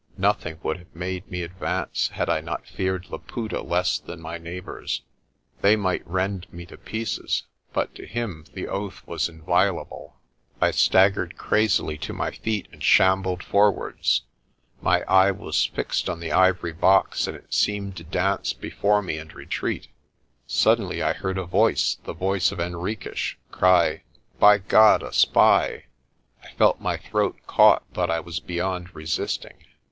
Nothing would have made me advance had I not feared Laputa less than my neighbours. They might rend me to pieces, but to him the oath was inviolable. I staggered crazily to my feet and shambled forwards. My eye was fixed on the ivory box and it seemed to dance before me and retreat. Suddenly I heard a voice the voice of Henriques cry, "By God, a spy! " I felt my throat caught, but I was beyond resisting.